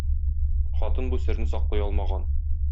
Хатын бу серне саклый алмаган.